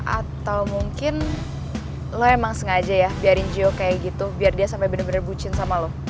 atau mungkin lo emang sengaja ya biarin geo kayak gitu biar dia sampai bener bener bucin sama lo